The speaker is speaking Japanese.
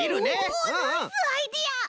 おナイスアイデア！